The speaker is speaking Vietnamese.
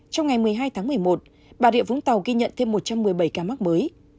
trong ngày một mươi hai tháng một mươi một bà rịa vũng tàu ghi nhận thêm một trăm một mươi bảy ca mắc mới